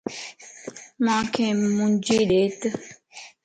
مانک منجي ڏيت